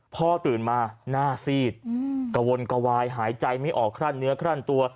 ตื่นมาหน้าซีดกระวนกระวายหายใจไม่ออกคลั่นเนื้อคลั่นตัว